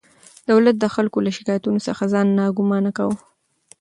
دولت د خلکو له شکایتونو څخه ځان ناګمانه کاوه.